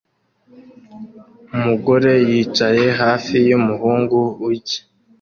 Umugore yicaye hafi yumuhungu urya